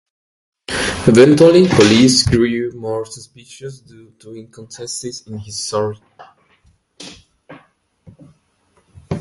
Eventually, police grew more suspicious due to inconsistencies in his story.